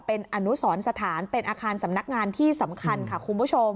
เป็นอนุสรสถานเป็นอาคารสำนักงานที่สำคัญค่ะคุณผู้ชม